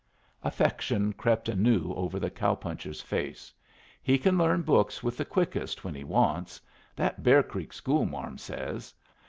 Affection crept anew over the cow puncher's face. "He can learn books with the quickest when he wants, that Bear Creek school marm says.